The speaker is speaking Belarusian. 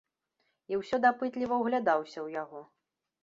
І ўсё дапытліва ўглядаўся ў яго.